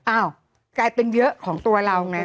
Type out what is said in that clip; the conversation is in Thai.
อ้าวกลายเป็นเยอะของตัวเราไง